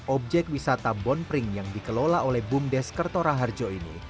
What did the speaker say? objek wisata bon pring yang dikelola oleh bumdes kertora harjo ini